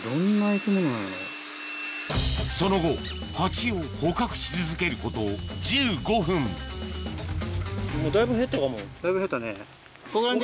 その後ハチを捕獲し続けること１５分たいぶ減ったね。